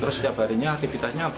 terus setiap harinya aktivitasnya apa